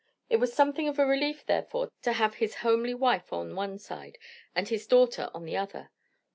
It was something of a relief, therefore, to have his homely wife on one side, and his daughter on the other.